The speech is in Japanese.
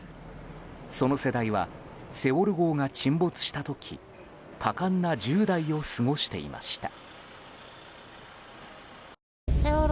その世代は「セウォル号」が沈没した時多感な１０代を過ごしていました。